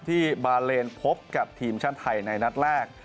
ที่บาเลนพบกับทีมชาติไทยในนัดแรก